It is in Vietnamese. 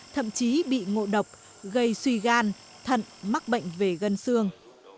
thậm chí bị ngộ độc gây suy gan thận mắc bệnh về gần xương